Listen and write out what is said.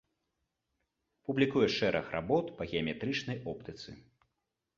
Публікуе шэраг работ па геаметрычнай оптыцы.